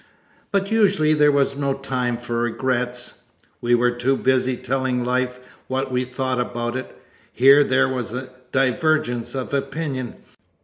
But usually there was no time for regrets; we were too busy telling Life what we thought about it. Here there was a divergence of opinion.